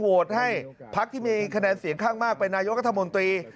ให้พักที่มีคะแนนเสียงข้างมากเป็นนายกรัฐมนตรี